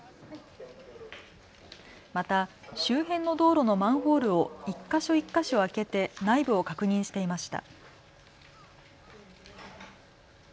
また周辺の道路のマンホールを一か所、一か所開けて内部を確認していました。